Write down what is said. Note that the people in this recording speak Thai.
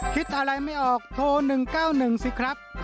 คิดอะไรไม่ออกโทร๑๙๑สิครับ